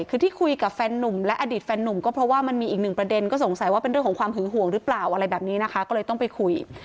คือที่คุยกับแฟนนุ่มและอดีตแฟนนุ่มก็เพราะว่ามันมีอีกหนึ่งประเด็นก็สงสัยว่าเป็นเรื่องของความหึงห่วงหรือเปล่าอะไรแบบนี้นะคะก็เลยต้องไปคุย